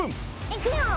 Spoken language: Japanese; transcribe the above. いくよ！